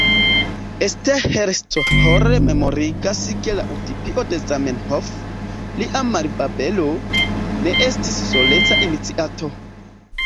Esther Schor memorigas ke la utopio de Zamenhof, lia Malbabelo, ne estis soleca iniciato.